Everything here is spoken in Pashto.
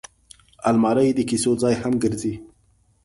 الماري د کیسو ځای هم ګرځي